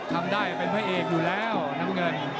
ทำได้เป็นตัวเข้าไปได้ดูแล้วน้ำเงิน